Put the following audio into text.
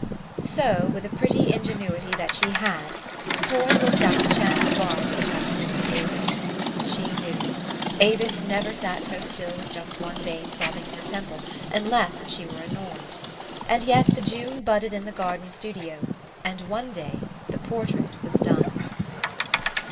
So, with a pretty ingenuity that she had, Coy worked out the chance barbs which had annoyed Avis. She knew. Avis never sat so still with just one vein throbbing in her temple, unless she were annoyed. And yet the June budded in the garden studio ; and one day the portrait was done.